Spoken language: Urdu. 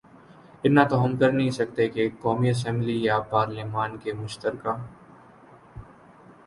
اتنا تو ہم کرنہیں سکتے کہ قومی اسمبلی یا پارلیمان کے مشترکہ